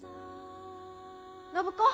暢子！